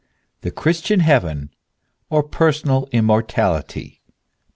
THE CHRISTIAN HEAVEN OR PERSONAL IMMORTALITY.